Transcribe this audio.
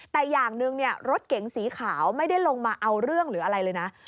แต่อย่างหนึ่งรถเก๋งสีขาวไม่ได้ลงมาเอาเรื่องหรืออะไรเลยนะ